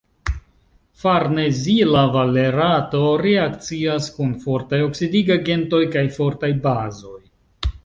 Farnezila valerato reakcias kun fortaj oksidigagentoj kaj fortaj bazoj.